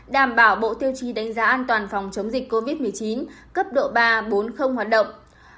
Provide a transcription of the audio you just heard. đảm bảo bộ tiêu chí đánh giá an toàn phòng chống dịch covid một mươi chín cấp độ ba bốn hoạt động